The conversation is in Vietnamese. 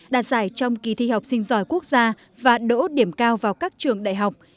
đạt giải trong kỳ thi học sinh giỏi quốc gia và đỗ điểm cao vào các trường đại học